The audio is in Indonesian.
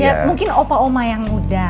ya mungkin opa oma yang muda